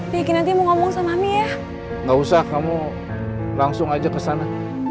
bikin nanti mau ngomong sama mia nggak usah kamu langsung aja kesana